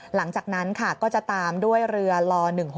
หลังจากนั้นค่ะก็จะตามด้วยเรือล๑๖๖